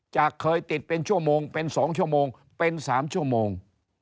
เคยติดเป็นชั่วโมงเป็น๒ชั่วโมงเป็น๓ชั่วโมง